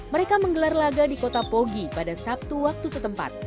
mereka menggelar laga di kota pogi pada sabtu waktu setempat